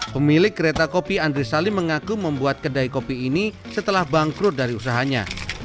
pemilik kereta kopi andri salim mengaku membuat kedai kopi ini setelah bangkrut dari usahanya